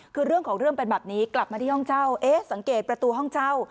คือเรื่องของเรื่องเป็นแบบนี้กลับมาที่ห้องเช่าเอ๊ะสังเกตประตูห้องเช่า